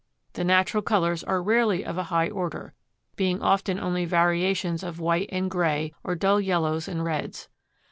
The natural colors are rarely of a high order, being often only variations of white and gray or dull yellows and reds.